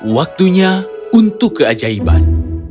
waktunya untuk keajaiban